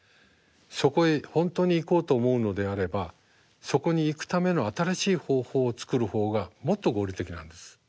そこへ本当に行こうと思うのであればそこに行くための新しい方法を作る方がもっと合理的なんです。